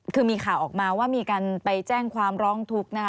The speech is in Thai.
คือมีข่าวออกมาว่ามีการไปแจ้งความร้องทุกข์นะคะ